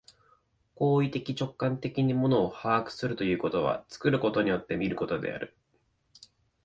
行為的直観的に物を把握するということは、作ることによって見ることである。